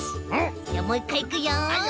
じゃあもういっかいいくよ！